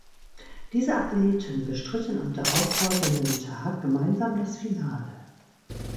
Diese Athleten bestritten am darauffolgenden Tag gemeinsam das Finale.